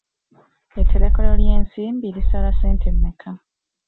Etterekero ly'ensimbi lisala ssente mmeka?